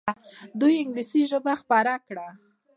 دوی انګلیسي ژبه خپره کړه.